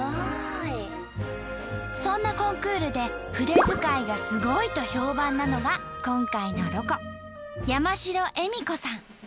そんなコンクールで筆づかいがすごいと評判なのが今回のロコ山城恵美子さん。